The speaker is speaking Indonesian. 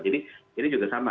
jadi ini juga sama